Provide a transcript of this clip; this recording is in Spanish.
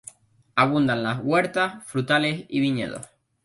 Abundan las huertas, frutales y viñedos.